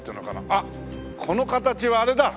あっこの形はあれだ！